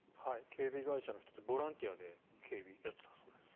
警備会社の人でボランティアで警備をやっていたそうです。